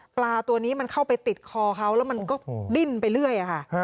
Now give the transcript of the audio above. ปลาตัวนี้มันเข้าไปติดคอเขาแล้วมันก็ดิ้นไปเรื่อยค่ะ